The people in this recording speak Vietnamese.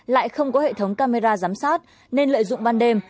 lại không có hệ thống camera giám sát nên lợi dụng ban đêm